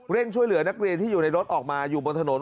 ช่วยเหลือนักเรียนที่อยู่ในรถออกมาอยู่บนถนน